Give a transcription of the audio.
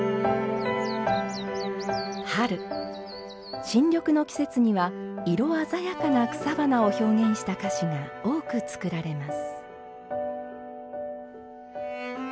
春新緑の季節には色鮮やかな草花を表現した菓子が多く作られます。